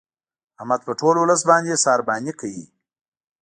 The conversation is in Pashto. احمد په ټول ولس باندې سارباني کوي.